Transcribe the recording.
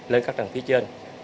lên các tầng phía trên